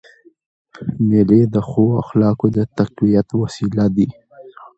مېلې د ښو اخلاقو د تقویت وسیله دي.